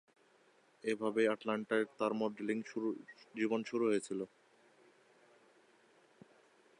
এভাবেই আটলান্টায় তার মডেলিং জীবন শুরু হয়েছিল।